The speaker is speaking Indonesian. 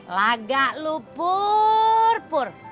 laga lu pur pur